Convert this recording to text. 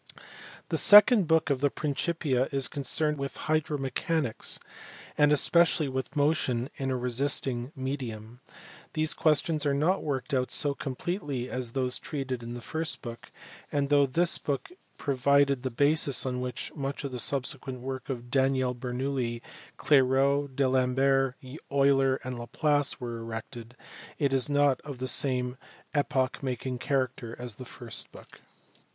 The second book of the Principia is concerned with hydromechanics, and especially with motion in a resisting medium. These questions are not worked out so completely as those treated in the first book ; and, though this book provided the basis on which much of the subsequent work of Daniel Bernoulli, Clairaut, D Alembert, Euler, and Laplace was erected, it is not of the same epoch making character as the first book.